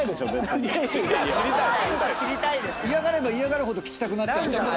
嫌がれば嫌がるほど聞きたくなっちゃうんですよ。